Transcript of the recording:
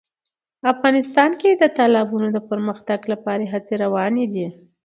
افغانستان کې د تالابونو د پرمختګ لپاره هڅې روانې دي.